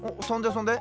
そんで？